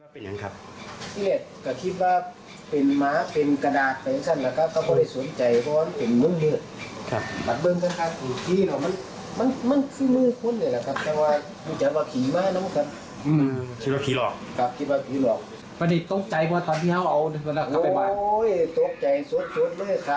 ปะเนี่ยตกใจ้ว่าตอนนี้ให้เข้ากลับไปบ้าน